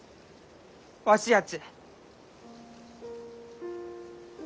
わしやち。